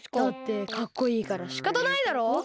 だってかっこいいからしかたないだろ。